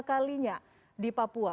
kalinya di papua